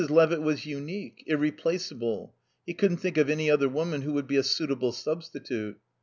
Levitt was unique; irreplaceable. He couldn't think of any other woman who would be a suitable substitute.